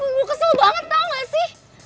muh kesel banget tau gak sih